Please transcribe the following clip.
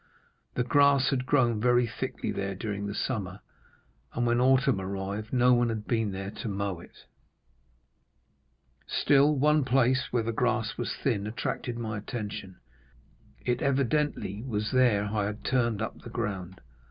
"The grass had grown very thickly there during the summer, and when autumn arrived no one had been there to mow it. Still one place where the grass was thin attracted my attention; it evidently was there I had turned up the ground.